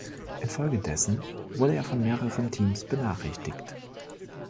Infolgedessen wurde er von mehreren Teams benachrichtigt.